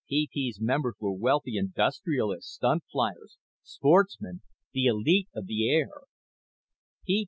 PP's members were wealthy industrialists, stunt flyers, sportsmen the elite of the air.